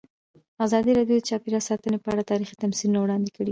ازادي راډیو د چاپیریال ساتنه په اړه تاریخي تمثیلونه وړاندې کړي.